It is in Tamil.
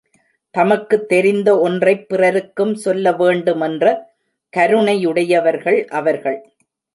தமக்குத் தெரிந்த ஒன்றைப் பிறருக்கும் சொல்ல வேண்டுமென்ற கருணையுடையவர்கள் அவர்கள்.